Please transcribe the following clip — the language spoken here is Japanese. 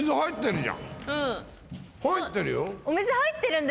入ってるよ？